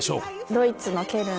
ドイツのケルン。